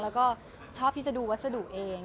แล้วก็ชอบที่จะดูวัสดุเอง